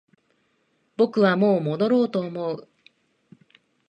僕はもう戻ろうと思う